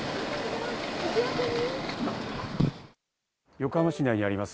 横浜市内にあります